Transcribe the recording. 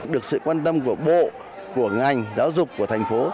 được sự quan tâm của bộ của ngành giáo dục của thành phố